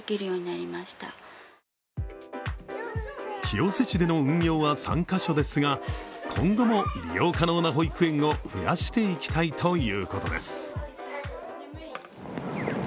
清瀬市での運用は３カ所ですが、今後も利用可能な保育園を増やしていきたいということです。